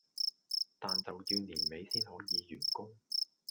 但就要年尾先可以完工